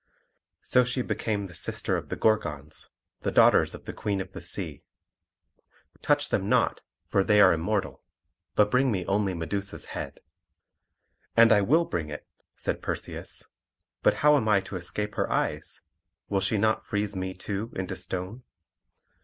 So she became the sister of the Gorgons, the daughters of the Queen of the Sea. Touch them not, for they are immortal; but bring me only Medusa's head." "And I will bring it!" said Perseus; "but how am I to escape her eyes? Will she not freeze me too into stone?"